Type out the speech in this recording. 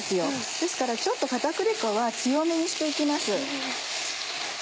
ですからちょっと片栗粉は強めにして行きます。